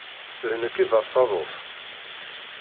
D nekk i d asaḍuf.